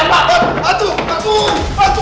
pak pak hantu hantu hantu